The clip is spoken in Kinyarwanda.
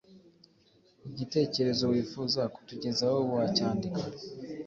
igitekerezo wifuza kutugezaho wacyandika